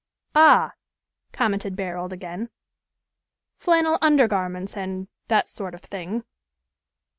"Ah!" commented Barold again. "Flannel under garments, and that sort of thing."